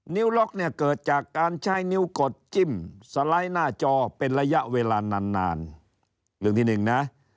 ล็อกเนี่ยเกิดจากการใช้นิ้วกดจิ้มสไลด์หน้าจอเป็นระยะเวลานานนานเรื่องที่หนึ่งนะ